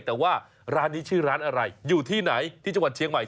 แต่ว่าร้านนี้ชื่อร้านอะไรอยู่ที่ไหนที่จังหวัดเชียงใหม่